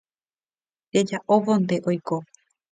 cheja'óvonte oiko